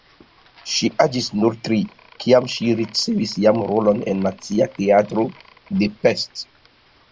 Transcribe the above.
Ŝi aĝis nur tri, kiam ŝi ricevis jam rolon en Nacia Teatro de Pest.